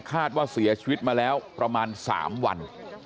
คาดว่าเสียชีวิตมาแล้วประมาณ๓วัน